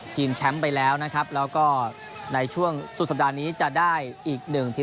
แชมป์ไปแล้วนะครับแล้วก็ในช่วงสุดสัปดาห์นี้จะได้อีกหนึ่งทีม